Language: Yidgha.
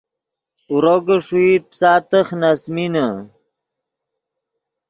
اورو کہ ݰوئیت پیسا تخ نے اَسۡمینے